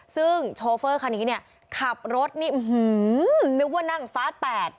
ซึ่งโชเฟอร์คันนี้เนี่ยขับรถนี่อื้อหือนึกว่านั่งฟาส๘